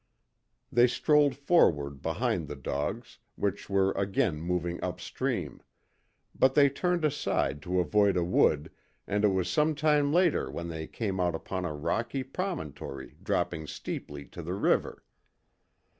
They strolled forward behind the dogs, which were again moving up stream; but they turned aside to avoid a wood, and it was some time later when they came out upon a rocky promontory dropping steeply to the river.